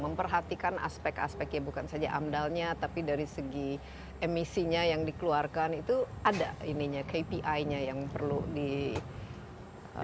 memperhatikan aspek aspeknya bukan saja amdalnya tapi dari segi emisinya yang dikeluarkan itu ada ini nya kpi nya yang perlu diperhatikan